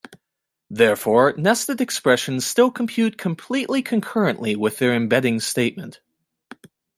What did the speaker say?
Therefore, nested expressions still compute completely concurrently with their embedding statement.